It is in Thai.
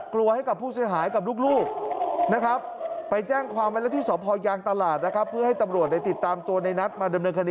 ประทุกกำแพงหลังบ้านนะค่ะ